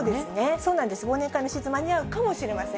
そうなんです、忘年会のシーズンに間に合うかもしれません。